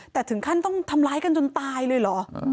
แต่ถึงขั้นต้องทำร้ายกันจนตายเลยเหรอ